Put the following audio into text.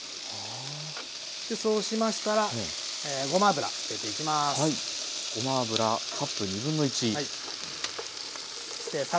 そうしましたらごま油入れていきます。